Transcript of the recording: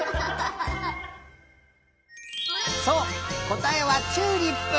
こたえはチューリップ！